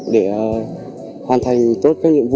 để hoàn thành tốt các nhiệm vụ